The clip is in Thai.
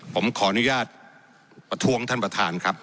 ผมขออนุญาตประท้วงท่านประธานครับ